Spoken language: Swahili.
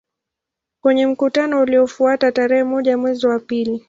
Kwenye mkutano uliofuata tarehe moja mwezi wa pili